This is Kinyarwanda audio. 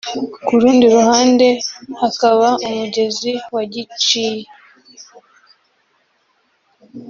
ku rundi ruhande hakaba umugezi wa Giciye